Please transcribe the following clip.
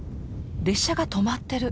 列車が止まってる。